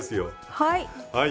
はい。